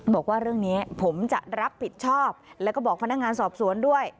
บอกว่าเรื่องนี้ผมจะรับผิดชอบแล้วก็บอกพนักงานสอบสวนด้วย